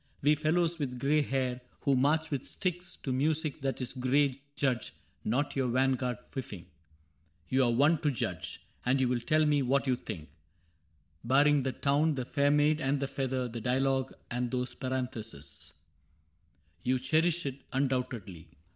We fellows with gray hair Who march with sticks to music that is gray Judge not your vanguard fifing. You are one To judge ; and you will tell me what you think :— Barring the Town, the Fair Maid, and the Feather, The dialogue and those parentheses. so CAPTAIN CRAIG You cherish it, undoubtedly.